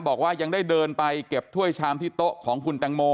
บอกว่ายังได้เดินไปเก็บถ้วยชามที่โต๊ะของคุณแตงโม